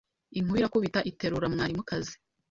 inkuba irakubita iterura mwarimukazi